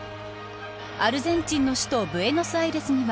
アルゼンチンの首都ブエノスアイレスには